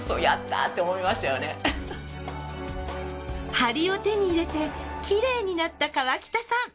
ハリを手に入れてキレイになった川北さん。